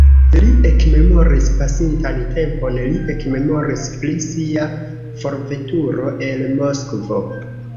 Li ekmemoris pasintan tempon, li ekmemoris pri sia forveturo el Moskvo.